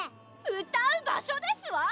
歌う場所ですわ！